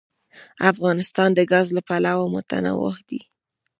افغانستان د ګاز له پلوه متنوع دی.